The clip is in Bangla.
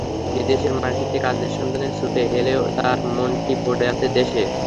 বিদেশের মাটিতে কাজের সন্ধানে ছুটে এলেও তার মনটি পড়ে আছে দেশে।